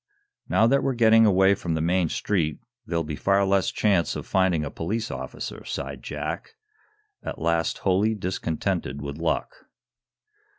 "Now, that we're getting away from the main street there'll be far less chance of finding a police officer," sighed Jack, at last wholly discontented with luck.